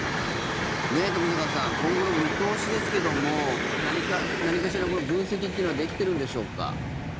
冨坂さん今後の見通しですけども何かしら、分析っていうのはできてるんでしょうか？